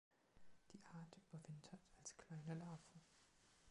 Die Art überwintert als kleine Larve.